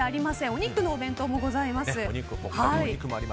お肉の弁当もございます。